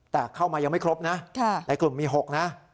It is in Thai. แต่เข้ามายังไม่ครบนะในกลุ่มมี๖นะ